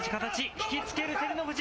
引きつける照ノ富士。